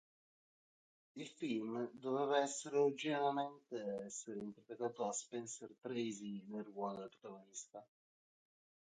Il film doveva originariamente essere interpretato da Spencer Tracy nel ruolo del protagonista.